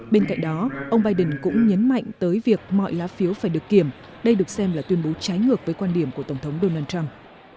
bên cạnh đó ông biden cũng nhấn mạnh tới việc mọi lá phiếu phải được kiểm đây được xem là tuyên bố trái ngược với quan điểm của tổng thống donald trump